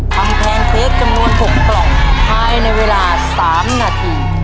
ทำแพนเค้กจำนวนหกกล่องท้ายในเวลาสามนาที